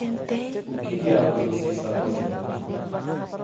O que diabos você está fazendo?